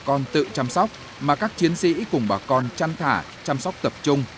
bà con tự chăm sóc mà các chiến sĩ cùng bà con chăn thả chăm sóc tập trung